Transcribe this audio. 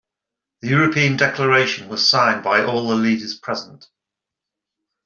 The Europe Declaration was signed by all the leaders present.